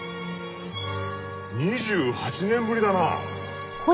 ２８年ぶりだな。